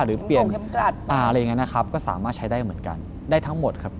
หรือเปลี่ยนอะไรอย่างนี้นะครับก็สามารถใช้ได้เหมือนกันได้ทั้งหมดครับ